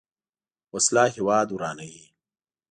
وسله هیواد ورانوي